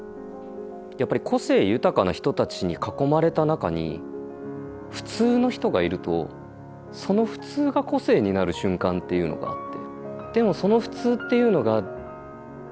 やっぱり個性豊かな人たちに囲まれた中に普通の人がいるとその普通が個性になる瞬間っていうのがあって。